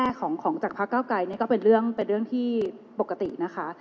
เอ่อแลกจากพรรคเก้าไกน่ะเป็นเรื่องเป็นเรื่องที่ปกตินะค่ะ